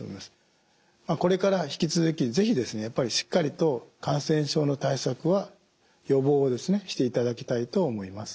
これから引き続き是非やっぱりしっかりと感染症の対策は予防をしていただきたいと思います。